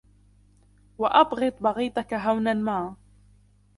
وَأَبْغِضْ بَغِيضَك هَوْنًا مَا